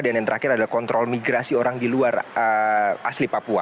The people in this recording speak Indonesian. dan yang terakhir adalah kontrol migrasi orang diluar asli papua